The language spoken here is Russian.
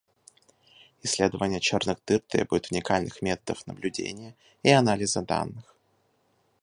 Исследование черных дыр требует уникальных методов наблюдения и анализа данных.